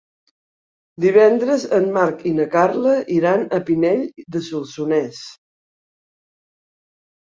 Divendres en Marc i na Carla iran a Pinell de Solsonès.